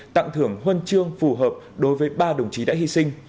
tặng thưởng huân chương phù hợp đối với ba đồng chí đã hy sinh